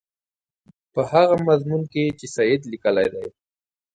په هغه مضمون کې چې سید لیکلی دی.